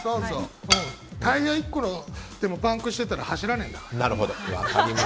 タイヤが１個でもパンクしてたら走らない。